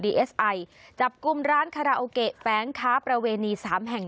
เอสไอจับกลุ่มร้านคาราโอเกะแฟ้งค้าประเวณีสามแห่ง